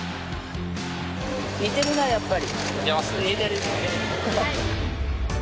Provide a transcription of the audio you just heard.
似てるなやっぱり。